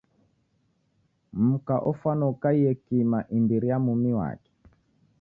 Mka ofwana ukaie kima imbiri ya mumi wake